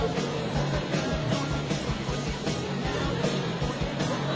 เวลาที่มันได้รู้จักกันแล้วเวลาที่ไม่รู้จักกัน